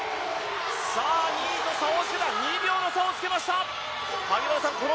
２位と差をつけた、２秒の差をつけました！